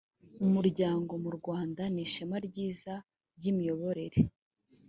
umuryango mu rwanda nishema ryiza ryimiyoborere